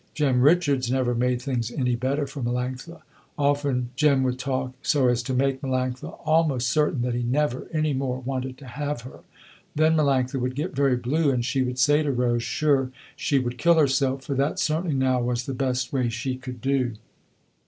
Jem Richards never made things any better for Melanctha. Often Jem would talk so as to make Melanctha almost certain that he never any more wanted to have her. Then Melanctha would get very blue, and she would say to Rose, sure she would kill herself, for that certainly now was the best way she could do.